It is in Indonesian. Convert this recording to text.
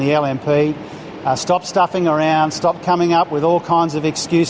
berhenti berbicara berhenti berpura pura dengan semua jenis alasan untuk tidak mendukung